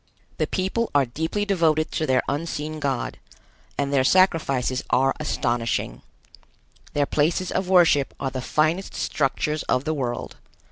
The people are deeply devoted to their unseen God, and their sacrifices are astonishing. Their places of worship are the finest structures of the world.